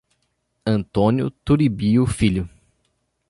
Antônio Turibio Filho